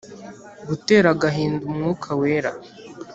Gutera agahinda umwuka wera